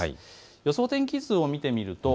予想天気図を見てみます。